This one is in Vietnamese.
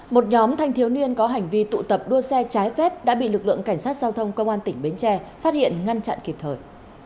một nhóm thanh thiếu niên có hành vi tụ tập đua xe trái phép đã bị lực lượng cảnh sát giao thông công an tỉnh bến tre phát hiện ngăn chặn kịp thời